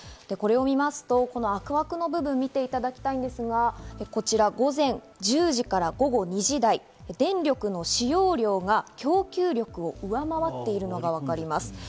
これを見ますと赤枠の部分を見ていただきたいんですが、こちら午前１０時から午後２時台、電力の使用量が供給力を上回っているのがわかります。